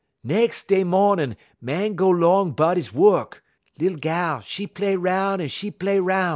"Nex' day mawnin', Màn go 'long 'bout 'e wuk. Lil gal, 'e play 'roun', un 'e play 'roun'.